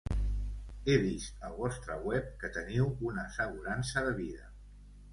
He vist al vostre web que teniu una assegurança de vida.